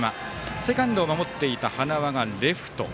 セカンドを守っていた塙がレフト。